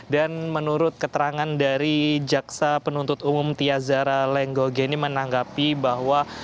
dan menurut keterangan dari jaksa penuntut umum tiazara lenggogeni menanggapi bahwa